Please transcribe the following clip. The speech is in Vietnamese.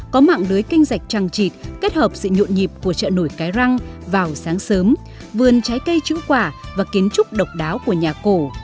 có mạng đuối kênh dạch tràng trịt kết hợp sự nhộn nhịp của chợ nổi cái răng vào sáng sớm vườn trái cây trứng quả và kiến trúc độc đáo của nhà cổ